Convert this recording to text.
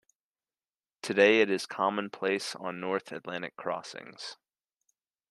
Today it is commonplace on North Atlantic crossings.